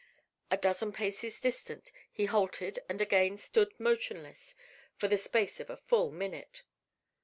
A dozen paces distant he halted and again stood motionless for the space of a full minute.